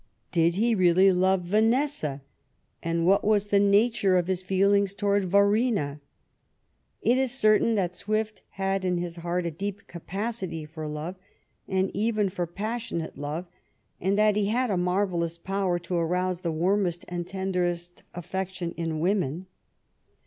Did he really love Vanessa ? And what was the nature of 229 THE BEIGN OF QUEEN ANNE f his feelings towards Varina f It is certain that had in his heart a deep capacity for love, and even for passionate love^ and that he had a maryellous power to arouse the warmest and tenderest affection in women.